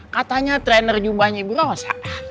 katanya trainer jumba ibu rosa